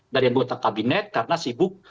dari anggota kabinet karena sibuk